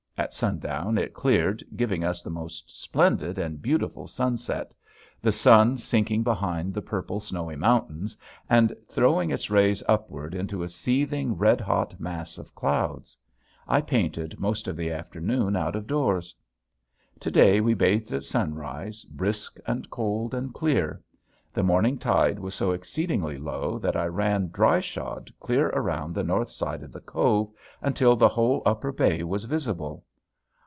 At sundown it cleared giving us the most splendid and beautiful sunset, the sun sinking behind the purple, snowy mountains and throwing its rays upward into a seething red hot mass of clouds. I painted most of the afternoon out of doors. To day we bathed at sunrise, brisk and cold and clear. The morning tide was so exceedingly low that I ran dry shod clear around the north side of the cove until the whole upper bay was visible.